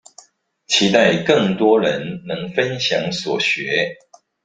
期待更多人能分享所學